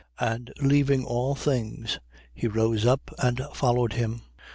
5:28. And leaving all things, he rose up and followed him.